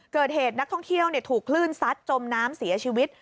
เกิดเหตุนักท่องเที่ยวถูกคลื่นซัดจมน้ำเสียชีวิต